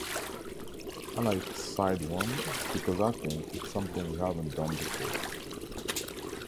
I like side one because I think it's something we haven't done before.